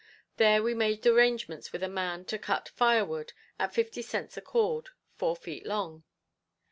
There we made arrangements with a man to cut fire wood, at fifty cents a cord—four feet long.